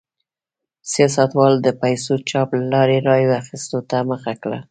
سیاستوالو د پیسو چاپ له لارې رایو اخیستو ته مخه کړه.